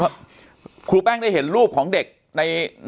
แต่คุณยายจะขอย้ายโรงเรียน